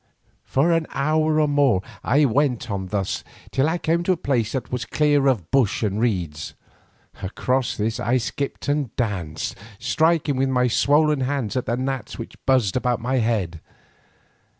For an hour or more I went on thus till I came to a place that was clear of bush and reeds. Across this I skipped and danced, striking with my swollen hands at the gnats which buzzed about my head.